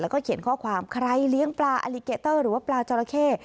แล้วก็เขียนข้อความใครเลี้ยงปลาอลิเกเตอร์หรือว่าปลาจอราเข้